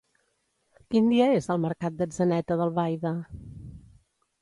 Quin dia és el mercat d'Atzeneta d'Albaida?